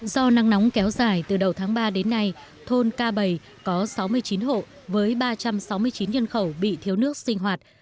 do nắng nóng kéo dài từ đầu tháng ba đến nay thôn ca bày có sáu mươi chín hộ với ba trăm sáu mươi chín nhân khẩu bị thiếu nước sinh hoạt